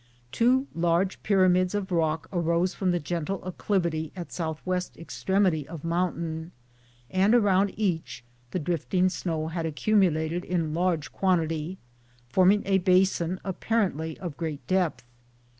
Two large pyramids of rock arose from the gentle acclivity at S. W. extremity of mountain, and around each the drifting snow had accumulated in large quantity, forming a basin apparently of great depth.